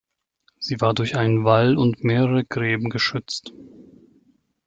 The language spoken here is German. Sie war durch einen Wall und mehrere Gräben geschützt.